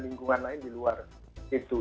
lingkungan lain di luar itu